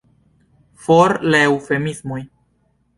For la eŭfemismoj!